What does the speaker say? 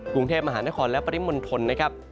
กรุงเทพมหานครและปริมณฑลนะครับ